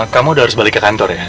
kamu udah harus balik ke kantor ya